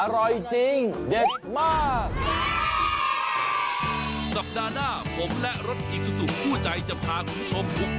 อร่อยจริงเด็ดมาก